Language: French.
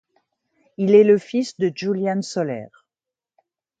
Il est le fils de Julián Soler.